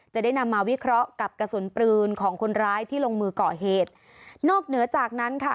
จะได้นำมาวิเคราะห์กับกระสุนปืนของคนร้ายที่ลงมือก่อเหตุนอกเหนือจากนั้นค่ะ